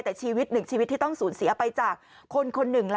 แต่ชีวิตหนึ่งชีวิตที่ต้องสูญเสียไปจากคนคนหนึ่งล่ะ